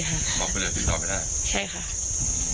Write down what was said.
บ๊อกไปเลยติดต่อไปได้